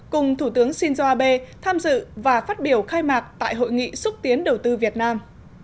cùng thủ tướng shinzo abe tham dự và phát biểu khai mạc tại hội nghị xúc tiến đầu tư việt nam